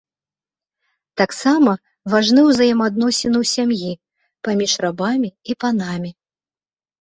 Таксама важны ўзаемаадносіны ў сям'і, паміж рабамі і панамі.